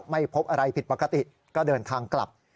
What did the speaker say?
ไม่พบอะไรผิดปกติก็เดินทางกลับ